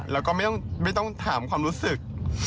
แล้วก็ไม่ต้องถามความรู้สึก